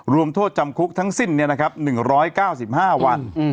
รวมโทษจำคุกทั้งสิ้นเนี่ยนะครับ๑๙๕วัน